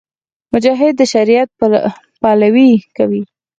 مجاهد د شریعت پلوۍ کوي.